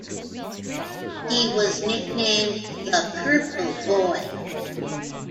He was nicknamed "the purple boy".